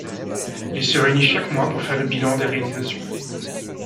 Il se réunit chaque mois pour faire le bilan des réalisations.